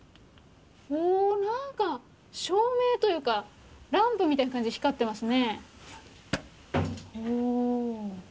何か照明というかランプみたいな感じで光ってますね。